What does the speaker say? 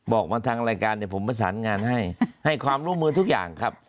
บอกมาทางรายการเดี๋ยวผมประสานงานให้ให้ความร่วมมือทุกอย่างครับ